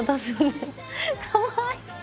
かわいい！